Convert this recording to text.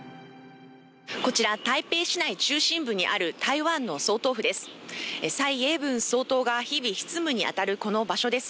こちら台北市内中心部にある台湾の総統府です。